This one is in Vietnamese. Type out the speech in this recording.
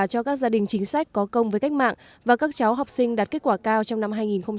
cho các gia đình chính sách có công với cách mạng và các cháu học sinh đạt kết quả cao trong năm hai nghìn hai mươi